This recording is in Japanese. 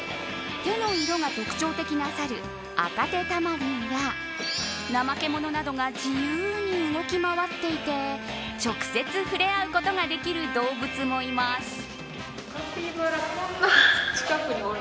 手の色が特徴的なサルアカテタマリンやナマケモノなどが自由に動き回っていて直接触れ合うことができる動物もいます。